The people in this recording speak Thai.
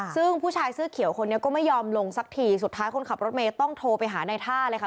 ซึ่งผู้ชายเสื้อเขียวคนนี้ก็ไม่ยอมลงสักทีสุดท้ายคนขับรถเมย์ต้องโทรไปหาในท่าเลยค่ะ